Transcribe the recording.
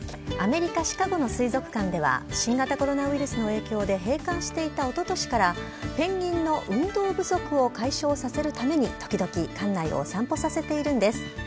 アメリカ・シカゴの水族館では、新型コロナウイルスの影響で閉館していたおととしから、ペンギンの運動不足を解消させるために、時々、館内をお散歩させているんです。